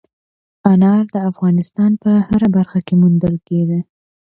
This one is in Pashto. انار د افغانستان په هره برخه کې موندل کېږي.